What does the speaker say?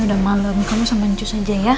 udah malem kamu sampein jus aja ya